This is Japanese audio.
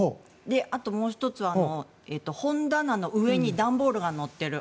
あともう１つは、本棚の上に段ボールが乗っている。